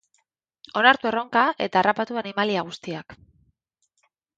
Onartu erronka eta harrapatu animalia guztiak.